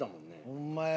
ホンマや。